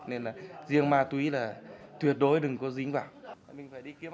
nên là riêng ma túy là tuyệt đối đừng có dính vào